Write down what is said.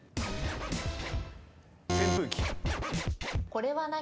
これは何？